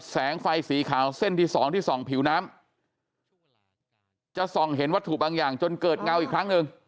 แสงไฟสีขาวเส้นที่สองที่ส่องผิวน้ำจะส่องเห็นวัตถุบางอย่างจนเกิดเงาอีกครั้งหนึ่ง